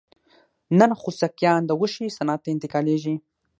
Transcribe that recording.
نر خوسکایان د غوښې صنعت ته انتقالېږي.